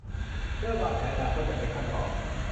เริ่มวางแผนอนาคตอย่างเป็นขั้นตอน